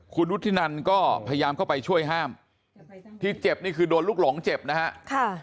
คุณวุฒินันก็พยายามเข้าไปช่วยห้ามที่เจ็บนี่คือโดนลูกหลงเจ็บนะฮะ